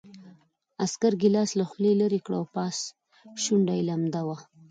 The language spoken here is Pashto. عسکر ګیلاس له خولې لېرې کړ او پاس شونډه یې لمده وه